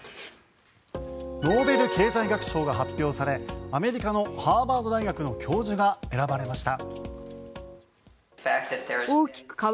ノーベル経済学賞が発表されアメリカのハーバード大学の教授が選ばれました。